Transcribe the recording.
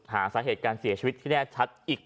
หาสาเหตุการเสียชีวิตที่แน่ชัดอีก